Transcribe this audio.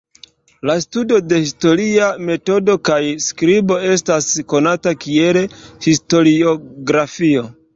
La studo de historia metodo kaj skribo estas konata kiel historiografio.